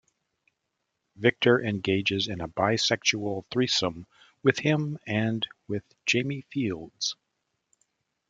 Victor engages in a bisexual threesome with him and with Jamie Fields.